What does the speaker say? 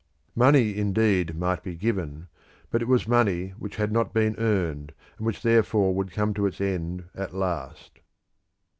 Money, indeed, might be given, but it was money which had not been earned, and which therefore would come to its end at last.